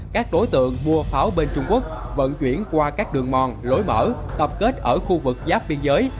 các đối tượng mua pháo bên trung quốc vận chuyển qua các đường mòn lối mở tập kết ở khu vực giáp biên giới